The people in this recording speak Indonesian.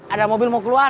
ada mobil mau keluar